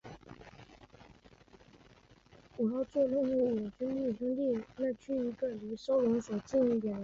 这也是齐达内最后的幕前演出。